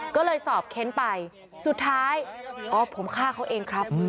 ก็เลยสอบเค้นไปสุดท้ายอ๋อผมฆ่าเขาเองครับ